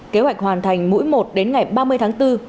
kế hoạch hoàn thành mũi một đến ngày ba mươi tháng bốn